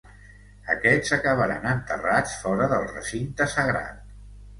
Aquests acabaran enterrats fora del recinte sagrat.